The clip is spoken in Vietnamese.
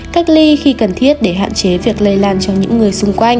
cách ly khi cần thiết để hạn chế việc lây lan cho những người xung quanh